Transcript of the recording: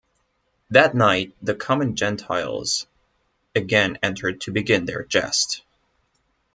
That night, the common gentiles again entered to begin their jest.